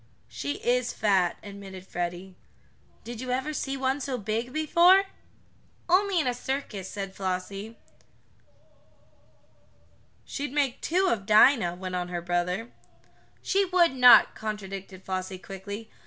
"She is fat," admitted Freddie. "Did you ever see one so big before?" "Only in a circus," said Flossie. "She'd make make two of Dinah," went on her brother. "She would not," contradicted Flossie quickly.